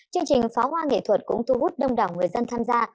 chương trình pháo hoa nghệ thuật cũng thu hút đông đảo người dân tham gia